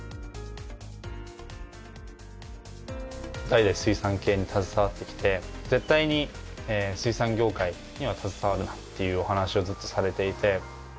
代々水産系に携わってきて「絶対に水産業界には携わるな」っていうお話をずっとされていて。